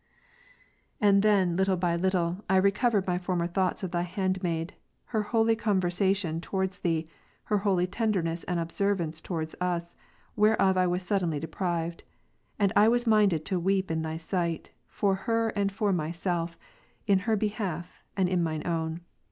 33. And then by little and little 1 recovered my former thoughts of Thy handmaid, her holy conversation to wards Thee, her holy tenderness and observance towards us, whereof I was suddenly deprived : and I was minded to weep in Thy sight, for her and for myself, in her behalf and in my own.